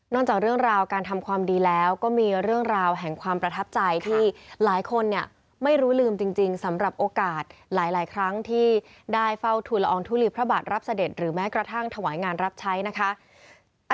จากเรื่องราวการทำความดีแล้วก็มีเรื่องราวแห่งความประทับใจที่หลายคนเนี่ยไม่รู้ลืมจริงสำหรับโอกาสหลายครั้งที่ได้เฝ้าทุนละอองทุลีพระบาทรับเสด็จหรือแม้กระทั่งถวายงานรับใช้นะคะ